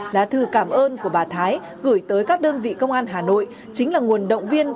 lá thư cảm ơn của bà thái gửi tới các đơn vị công an hà nội chính là nguồn động viên